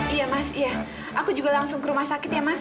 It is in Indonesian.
iya mas iya aku juga langsung ke rumah sakit ya mas